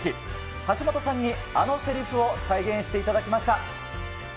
橋本さんにあのせりふを再現していただきました。